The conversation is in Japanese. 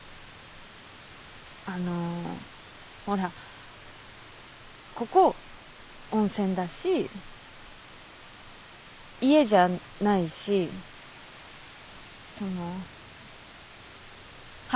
あのほらここ温泉だし家じゃないしその。